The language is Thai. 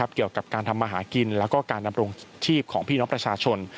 เกี่ยวกับการทำมาหากินแล้วก็การดำรงชีพของพี่น้องประชาชน